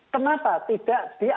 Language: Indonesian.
kenapa tidak diantikin